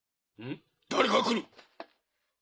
誰か来る！